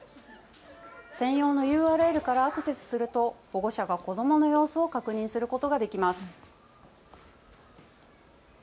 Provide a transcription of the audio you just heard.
専用のＵＲＬからアクセスすると保護者が子どもの様子を確認することができます。